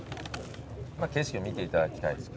景色を見ていただきたいですけどね。